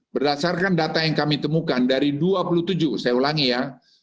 berdasarkan data yang kami temukan dari dua puluh tujuh saya ulangi ya